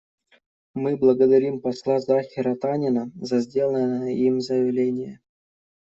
Мы благодарим посла Захира Танина за сделанное им заявление.